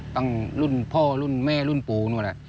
รุ่นพ่อรุ่นแม่รุ่นปู่นู่นแหละ